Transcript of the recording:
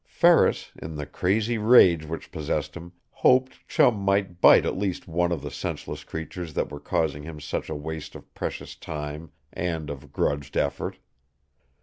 Ferris, in the crazy rage which possessed him, hoped Chum might bite at least one of the senseless creatures that were causing him such a waste of precious time and of grudged effort.